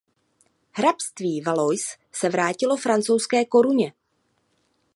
Hrabství Valois se vrátilo francouzské koruně.